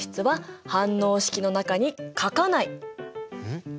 ん？